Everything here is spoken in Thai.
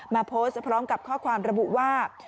มาโพสต์พร้อมกับข้อความระบุว่า